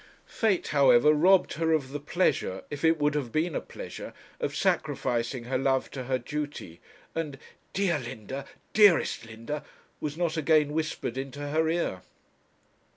Fate, however, robbed her of the pleasure, if it would have been a pleasure, of sacrificing her love to her duty; and 'dear Linda, dearest Linda,' was not again whispered into her ear.